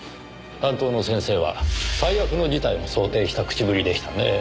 担当の先生は最悪の事態も想定した口ぶりでしたねぇ。